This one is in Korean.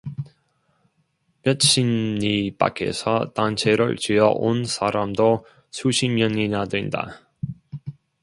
몇십 리 밖에서 단체를 지어 온 사람도 수십 명이나 된다.